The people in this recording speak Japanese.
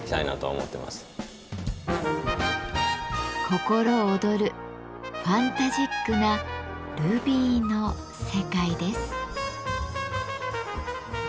心躍るファンタジックなルビーの世界です。